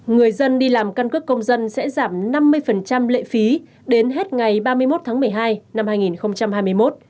người dân đi làm căn cước công dân sẽ giảm năm mươi lệ phí đến hết ngày ba mươi một tháng một mươi hai năm hai nghìn hai mươi một